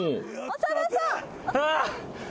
長田さん！